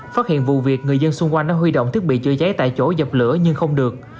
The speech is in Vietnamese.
phát hiện vụ việc người dân xung quanh đã huy động thiết bị chữa cháy tại chỗ dập lửa nhưng không được